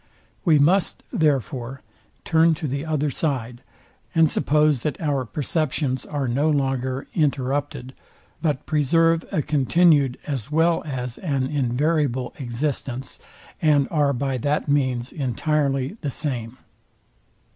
We must, therefore, turn to the other side, and suppose that our perceptions are no longer interrupted, but preserve a continued as well as an invariable existence, and are by that means entirely the same.